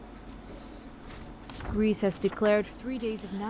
lực lượng an ninh cho biết chín người đã bị bắt